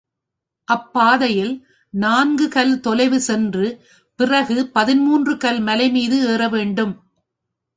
அப்பாதையில் நான்கு கல் தொலைவு சென்று பிறகு பதிமூன்று க்கல் மலைமீது ஏற வேண்டும்.